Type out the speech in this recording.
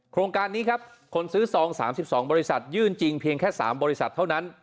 โครงการนี้ครับคนซื้อซอง๓๒บริษัทยื่นจริงเพียงแค่๓บริษัทเท่านั้น